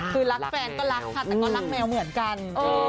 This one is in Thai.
คือรักแฟนก็รักค่ะแต่ก็รักแมวเหมือนกัน